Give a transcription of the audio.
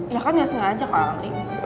iya kan gak sengaja kali